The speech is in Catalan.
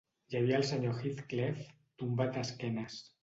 Hi havia el senyor Heathcliff, tombat d'esquenes.